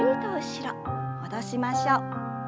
戻しましょう。